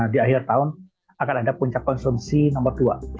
di akhir tahun akan ada puncak konsumsi nomor dua